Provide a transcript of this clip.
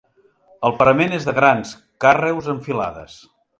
El parament és de grans carreus en filades.